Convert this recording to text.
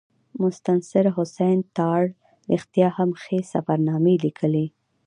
مستنصر حسین تارړ رښتیا هم ښې سفرنامې لیکلي.